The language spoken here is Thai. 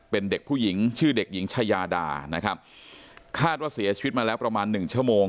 เป็นเด็กผู้หญิงชื่อเด็กหญิงชายาดานะครับคาดว่าเสียชีวิตมาแล้วประมาณหนึ่งชั่วโมง